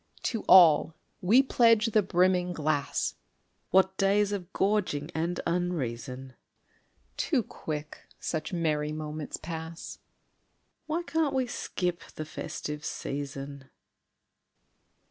_) To all we pledge the brimming glass! (What days of gorging and unreason!) Too quick such merry moments pass (_Why can't we skip the "festive season"?